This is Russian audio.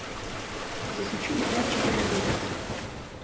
Засучу рукавчики: работать?